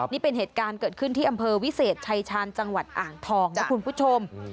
นี่เป็นเหตุการณ์เกิดขึ้นที่อำเภอวิเศษชายชาญจังหวัดอ่างทองนะคุณผู้ชม